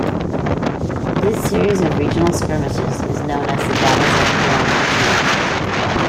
This series of regional skirmishes is known as the Battles of Kawanakajima.